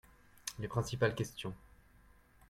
Les principales questions.